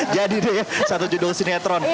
jadi deh ya satu judul sinetron